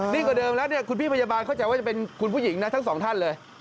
กว่าเดิมแล้วเนี่ยคุณพี่พยาบาลเข้าใจว่าจะเป็นคุณผู้หญิงนะทั้งสองท่านเลย